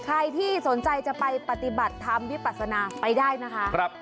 ใครที่สนใจจะไปปฏิบัติธรรมวิปัสนาไปได้นะคะ